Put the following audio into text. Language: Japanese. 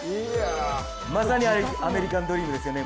まさにアメリカンドリームですよね。